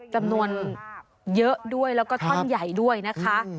จำนวนเยอะด้วยแล้วก็ท่อนใหญ่ด้วยนะคะ